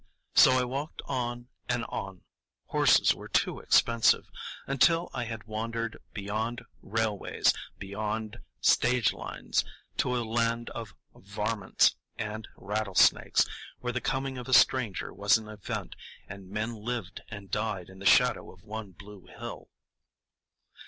So I walked on and on—horses were too expensive—until I had wandered beyond railways, beyond stage lines, to a land of "varmints" and rattlesnakes, where the coming of a stranger was an event, and men lived and died in the shadow of one blue hill.